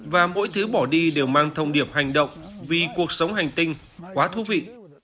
và mỗi thứ bỏ đi đều mang thông điệp hành động vì cuộc sống hành tinh quá thú vị